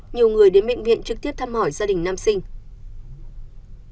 nhiều người đến bệnh viện trực tiếp thăm hỏi gia đình nam sinh